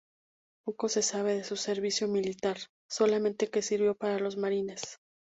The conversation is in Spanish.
Poco se sabe de su servicio militar, solamente que sirvió para los Marines.